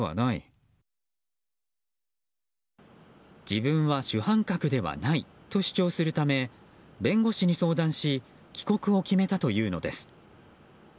自分は主犯格ではないと主張するため弁護士に相談し帰国を決めたというのです。